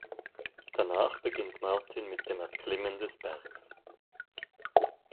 Danach beginnt Martin mit dem Erklimmen des Bergs.